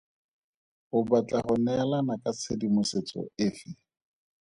O batla go neelana ka tshedimosetso efe?